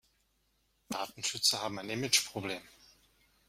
Datenschützer haben ein Image-Problem.